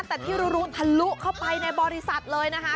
แต่ที่รู้ทะลุเข้าไปในบริษัทเลยนะคะ